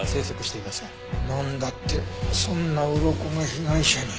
なんだってそんなウロコが被害者に。